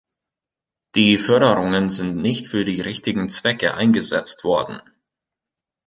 Die Förderungen sind nicht für die richtigen Zwecke eingesetzt worden.